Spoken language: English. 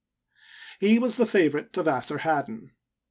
He was the favorite of Assarhaddon.